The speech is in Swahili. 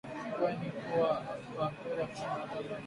kwani hewa huwasaidia bakteria kuunda utando au ukingo unaowalinda